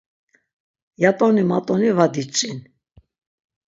Yat̆oni mat̆oni va diç̌in.